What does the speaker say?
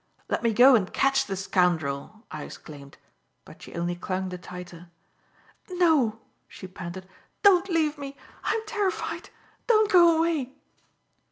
"Let me go and catch the scoundrel!" I exclaimed; but she only clung the tighter. "No," she panted, "don't leave me! I am terrified! Don't go away!"